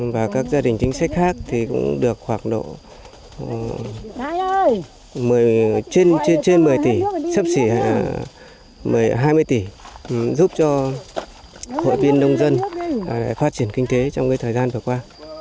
và các gia đình chính sách khác thì cũng được khoảng độ trên trên một mươi tỷ sấp xỉ hai mươi tỷ giúp cho hội viên nông dân phát triển kinh tế trong thời gian vừa qua